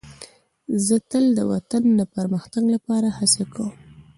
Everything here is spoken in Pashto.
زه تل د وطن د پرمختګ لپاره هڅه کوم.